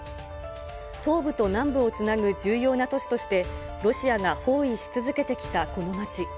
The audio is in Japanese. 東部と南部をつなぐ重要な都市として、ロシアが包囲し続けてきたこの街。